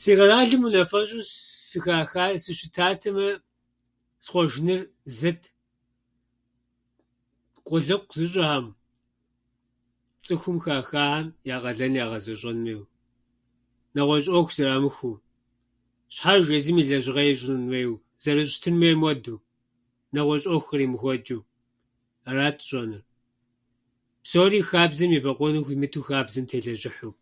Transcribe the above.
Си къэралым унэфэщӏу ссыхаха- сыщытатэмэ, схъуэжыныр зыт. Къулыкъу зыщӏэхьэм, цӏыхум хахахьэм я къалэн ягъэзэщӏэн хуейуэ, нэгъуэщӏ ӏуэху зрамыхуэу, щхьэж езым и лэжьыгъэр ищӏын хуейуэ, зэрыщытын хуейм хуэдэу, нэгъуэщӏ ӏуэху къримыхуэчӏыу. Арат сщӏэныр. Псори хабзэм ебэкъуэну хуимыту хабзэм телэжьыхьу.